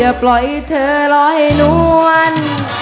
อย่าปล่อยเธอรอให้นวร